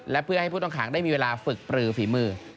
และเพื่อให้ผู้ต้องขังได้มีเวลาฝึกปลือฝีมือ